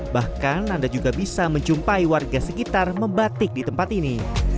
bahkan anda juga bisa menjumpai warga sekitar membatik di tempat ini